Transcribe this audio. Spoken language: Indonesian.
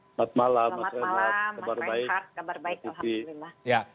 selamat malam kabar baik